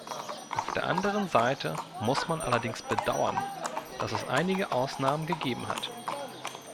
Auf der anderen Seite muss man allerdings bedauern, dass es einige Ausnahmen gegeben hat.